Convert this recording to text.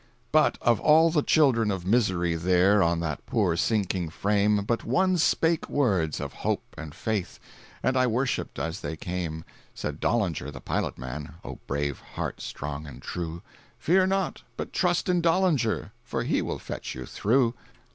But of all the children of misery there On that poor sinking frame, But one spake words of hope and faith, And I worshipped as they came: Said Dollinger the pilot man,—(O brave heart, strong and true!)—"Fear not, but trust in Dollinger, For he will fetch you through."